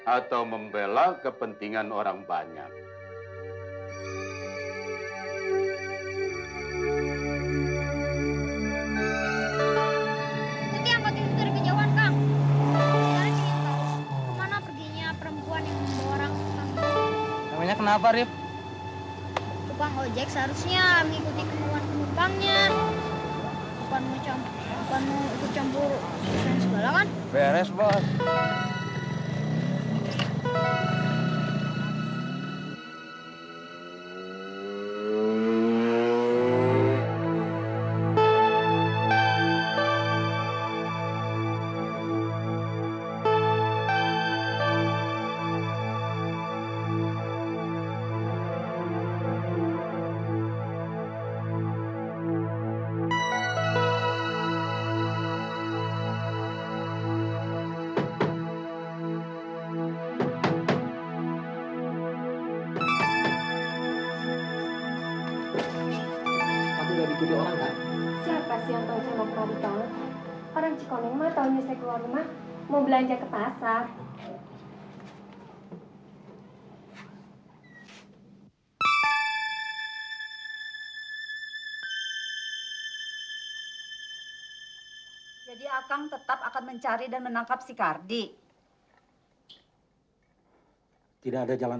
atau membela kepentingan orang banyak